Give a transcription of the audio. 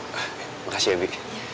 terima kasih ebi